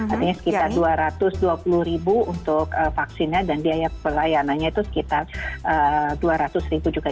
artinya sekitar rp dua ratus dua puluh untuk vaksinnya dan biaya pelayanannya itu sekitar rp dua ratus juga